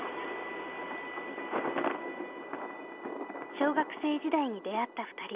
小学生時代に出会ったふたり。